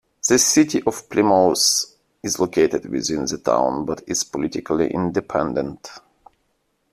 The City of Plymouth is located within the town, but is politically independent.